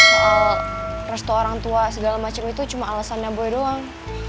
soal restu orang tua segala macam itu cuma alasannya boy doang